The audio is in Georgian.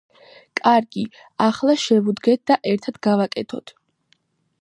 კარგი, ახლა შევუდგეთ და ერთად გავაკეთოთ.